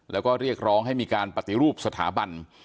แล้วก็เรียกร้องให้มีการปฏิรูปสถาบัน